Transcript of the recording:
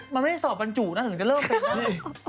มันไม่ได้สอบบรรจุนะถึงจะเริ่มเป็นได้